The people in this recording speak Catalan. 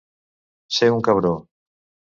Ser un cabró.